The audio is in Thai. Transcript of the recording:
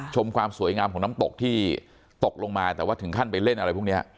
ความสวยงามของน้ำตกที่ตกลงมาแต่ว่าถึงขั้นไปเล่นอะไรพวกนี้